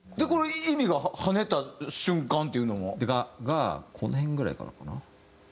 これ意味が跳ねた瞬間っていうのは？がこの辺ぐらいからかな？